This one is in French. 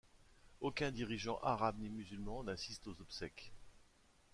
Aucun dirigeant arabe ni musulman n'assiste aux obsèques.